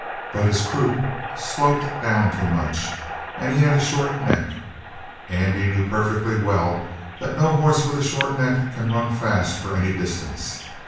But his croup sloped down too much, and he had a short neck. Andy knew perfectly well that no horse with a short neck can run fast for any distance.